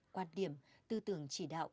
quan điểm tư tưởng chỉ đạo